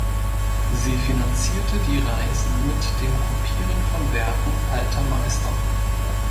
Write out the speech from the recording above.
Sie finanzierte die Reisen mit dem Kopieren von Werken Alter Meister.